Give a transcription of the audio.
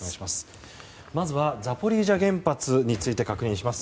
まずはザポリージャ原発について確認します。